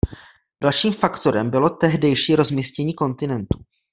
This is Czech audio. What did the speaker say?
Dalším faktorem bylo tehdejší rozmístění kontinentů.